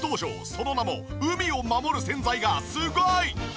その名も「海をまもる洗剤」がすごい！